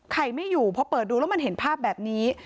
ไม่อยู่พอเปิดดูแล้วมันเห็นภาพแบบนี้